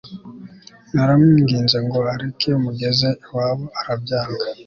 Naramwinginze ngo areke mugeze iwabo arabyanga